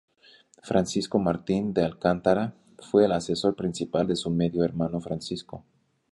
Francisco Martín del Alcántara, fue el asesor principal de su medio hermano Francisco.